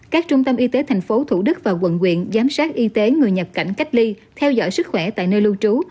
các trung tâm y tế tp thủ đức và quận quyện giám sát y tế người nhập cảnh cách ly theo dõi sức khỏe tại nơi lưu trú